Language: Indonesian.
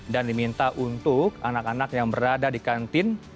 dan diminta untuk anak anak yang berada di kantin